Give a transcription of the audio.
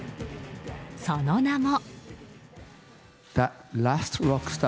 その名も。